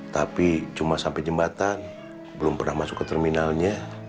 tapi cuma sampai jembatan belum pernah masuk ke terminalnya